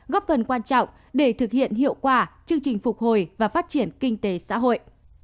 góp phần quan trọng để thực hiện hiệu quả chương trình phục hồi và phát triển kinh tế xã hội